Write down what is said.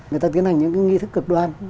người ta tiến hành những cái nghi thức cực đoan